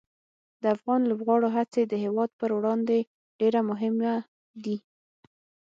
د افغان لوبغاړو هڅې د هېواد پر وړاندې ډېره مهمه دي.